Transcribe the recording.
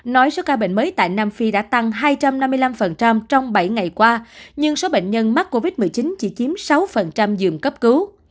nói số ca bệnh mới tại nam phi đã tăng hai trăm năm mươi năm trong bảy ngày qua nhưng số bệnh nhân mắc covid một mươi chín chỉ chiếm sáu giường cấp cứu